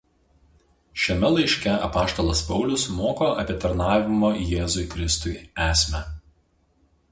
Šiame laiške apaštalas Paulius moko apie tarnavimo Jėzui Kristui esmę.